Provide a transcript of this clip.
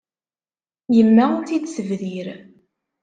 Yemma ur t-id-tebdir.